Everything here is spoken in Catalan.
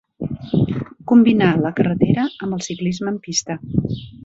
Combinà la carretera amb el ciclisme en pista.